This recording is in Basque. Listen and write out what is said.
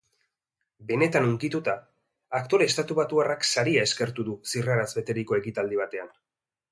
Benetan hunkituta, aktore estatubatuarrak saria eskertu du zirraraz beteriko ekitaldi batean.